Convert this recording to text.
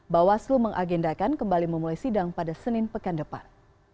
bawaslu mengagendakan kembali memulai sidang pada senin pekan depan